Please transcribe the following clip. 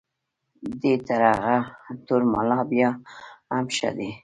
دی تر هغه تور ملا بیا هم ښه دی.